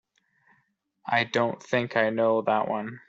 I don't think I know that one.